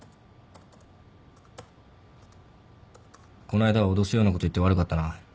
この間は脅すようなこと言って悪かったな。